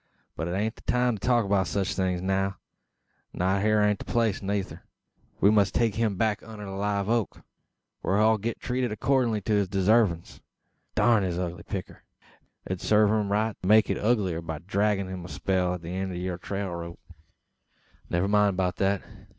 But 'taint the time to talk o' sech things now; not hyur ain't the place neythur. We must take him back unner the live oak, whar he'll git treated accordin' to his desarvins. Durn his ugly picter! It would sarve him right to make it uglier by draggin' him a spell at the eend o' yur trail rope. "Never mind beout that.